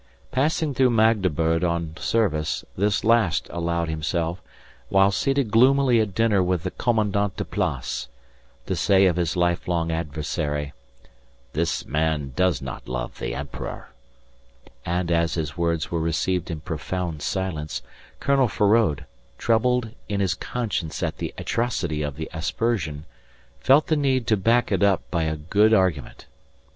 Passing through Magdeburg on service this last allowed himself, while seated gloomily at dinner with the Commandant de Place, to say of his lifelong adversary: "This man does not love the emperor," and as his words were received in profound silence Colonel Feraud, troubled in his conscience at the atrocity of the aspersion, felt the need to back it up by a good argument.